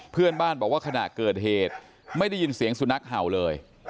เพื่อนบ้านบอกว่าขณะเกิดเหตุไม่ได้ยินเสียงสุนัขเห่าเลย